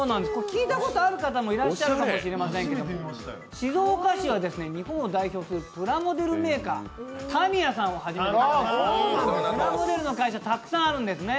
聞いたことある方もいらっしゃるかもしれませんが静岡市は、日本を代表するプラモデルメーカー、ＴＡＭＩＹＡさんをはじめとしたプラモデル会社がたくさんあるんですね。